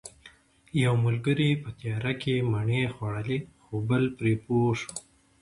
یو ملګری په تیاره کې مڼې خوړلې خو بل پرې پوه شو